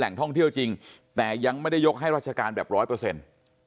ท่องเที่ยวจริงแต่ยังไม่ได้ยกให้ราชการแบบร้อยเปอร์เซ็นต์